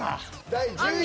第１１位。